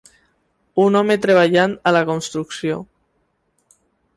un home treballant a la construcció.